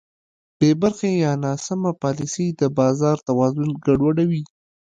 بېبرخې یا ناسمه پالیسي د بازار توازن ګډوډوي.